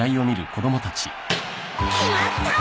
決まったー！